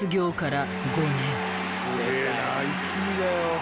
すげえな一気にだよ。